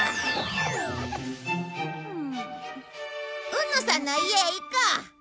海野さんの家へ行こう。